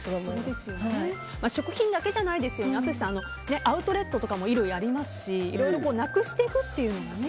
食品だけじゃないですよね淳さん、アウトレットとかも衣類とかいろいろありますしなくしていくっていうのがね。